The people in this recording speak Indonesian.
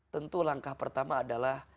tentu langkah pertama adalah